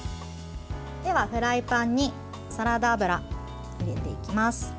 では、フライパンにサラダ油を入れていきます。